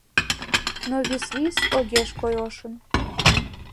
Но висвис огеш кой ошын